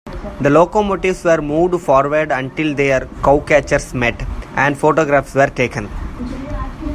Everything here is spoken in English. The locomotives were moved forward until their "cowcatchers" met, and photographs were taken.